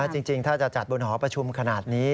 จริงถ้าจะจัดบนหอประชุมขนาดนี้